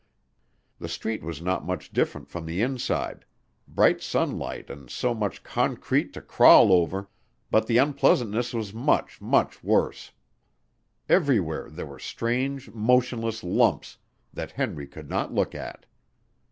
The street was not much different from the inside, bright sunlight and so much concrete to crawl over, but the unpleasantness was much, much worse. Everywhere there were strange, motionless lumps that Henry could not look at.